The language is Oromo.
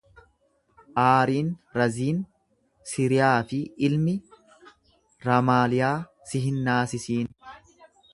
Aariin Raziin Siriyaa fi ilmi Ramaaliyaa si hin naasisiin.